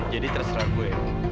jadi terserah gue